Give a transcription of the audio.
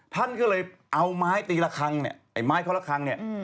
ท่านก็เลยเอาไม้ตีและคัง